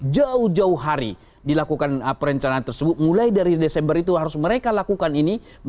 jauh jauh hari dilakukan perencanaan tersebut mulai dari desember itu harus mereka lakukan ini